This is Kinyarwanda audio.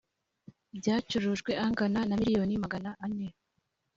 byacurujwe angana na miliyoni magana ane